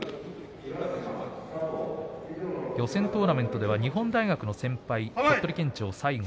予選トーナメントでは日本大学の先輩鳥取県庁、西郷。